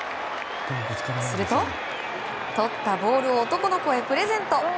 すると、とったボールを男の子へプレゼント。